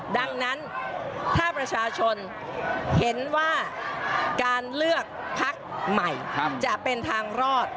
ดังนั้นถ้าประชาชนเห็นว่าการเลือกพักใหม่จะเป็นทางรอด